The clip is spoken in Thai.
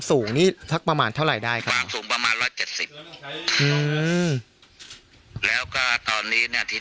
ถือว่าเพราะน้องชมพู่เป็นเด็กผู้หญิงอายุ๓ขวบ